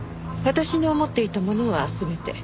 私の持っていたものは全て。